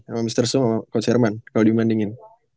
sama mr sum sama coach herman kalo dibandingin